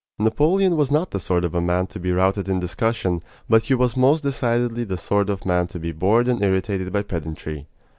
Napoleon was not the sort of a man to be routed in discussion, but he was most decidedly the sort of man to be bored and irritated by pedantry.